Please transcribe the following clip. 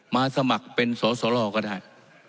มาสมัครเป็นสสรก็ได้